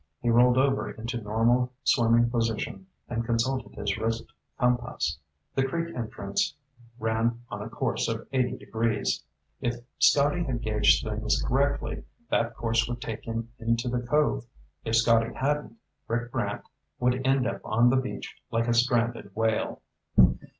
He rolled over into normal swimming position and consulted his wrist compass. The creek entrance ran on a course of 80 degrees. If Scotty had gauged things correctly, that course would take him into the cove. If Scotty hadn't, Rick Brant would end up on the beach like a stranded whale.